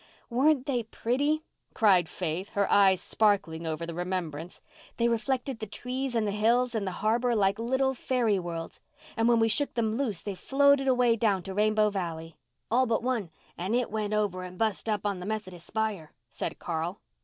"Weren't they pretty?" cried Faith, her eyes sparkling over the remembrance. "They reflected the trees and the hills and the harbour like little fairy worlds, and when we shook them loose they floated away down to Rainbow Valley." "All but one and it went over and bust up on the Methodist spire," said Carl.